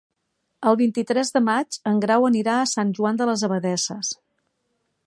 El vint-i-tres de maig en Grau anirà a Sant Joan de les Abadesses.